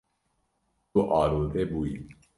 Tu arode bûyî.